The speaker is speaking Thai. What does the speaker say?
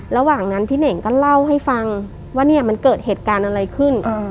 ระหว่างนั้นพี่เน่งก็เล่าให้ฟังว่าเนี่ยมันเกิดเหตุการณ์อะไรขึ้น